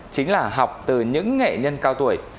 chính là học từ những nghệ nhân cao tuổi